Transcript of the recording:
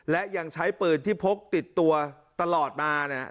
และยังใช้ปืนที่พกติดตัวตลอดมาเนี่ย